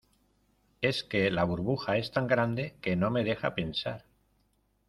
es que la burbuja es tan grande, que no me deja pensar.